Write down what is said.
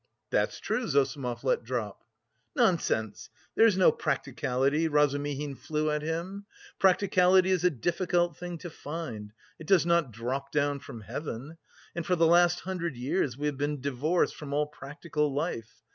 "That's true," Zossimov let drop. "Nonsense! There's no practicality." Razumihin flew at him. "Practicality is a difficult thing to find; it does not drop down from heaven. And for the last two hundred years we have been divorced from all practical life.